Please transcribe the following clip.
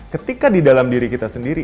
ketika di dalam diri kita sendiri